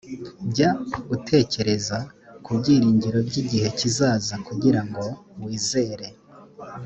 jya utekereza ku byiringiro by’igihe kizaza kugira ngo wizere